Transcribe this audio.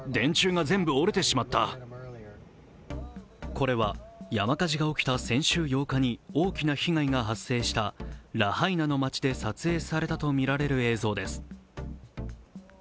これは山火事が起きた先週８日に大きな被害が発生したラハイナの街で撮影されたとみられる映像です。